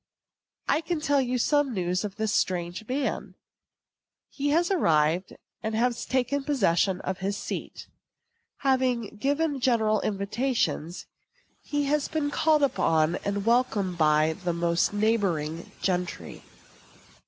I can tell you some news of this strange man. He has arrived, and taken possession of his seat. Having given general invitations, he has been called upon and welcomed by most of the neighboring gentry.